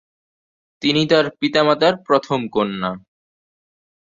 তিনি তার পিতামাতার প্রথম কন্যা।